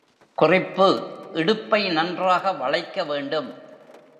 குறிப்பு இடுப்பை நன்றாக வளைக்க வேண்டும்.